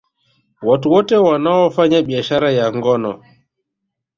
Watu wote wanaoufanya biashara ya ngono